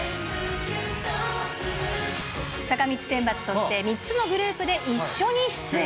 坂道選抜として、３つのグループで一緒に出演。